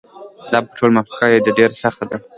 دا په ټولو مخلوقاتو ده ډېره سخته ده.